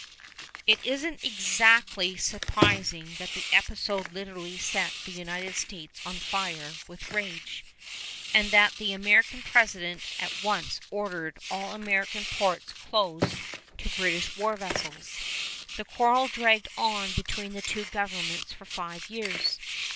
It isn't exactly surprising that the episode literally set the United States on fire with rage, and that the American President at once ordered all American ports closed to British war vessels. The quarrel dragged on between the two governments for five years.